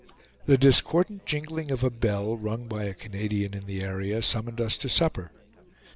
The discordant jingling of a bell, rung by a Canadian in the area, summoned us to supper.